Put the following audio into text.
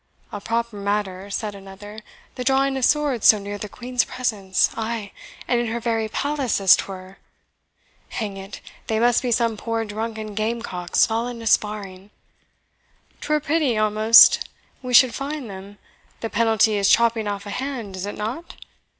"A proper matter," said another, "the drawing of swords so near the Queen's presence, ay, and in her very palace as 'twere! Hang it, they must be some poor drunken game cocks fallen to sparring 'twere pity almost we should find them the penalty is chopping off a hand, is it not?